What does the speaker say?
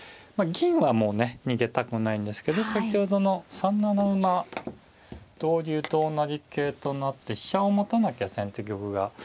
銀はもうね逃げたくないんですけど先ほどの３七馬同竜同成桂となって飛車を持たなきゃ先手玉が。